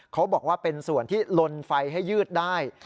เขาบอกว่าเป็นส่วนที่ลนไฟให้ยืดได้